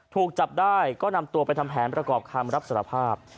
ถูกจับได้ก็นำตัวไปทำแผนประกอบคำรับสารภาพ